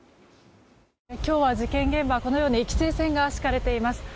今日は、事件現場規制線が敷かれています。